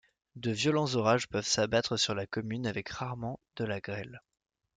De violents orages peuvent s'abattre sur la commune avec rarement de la grêle.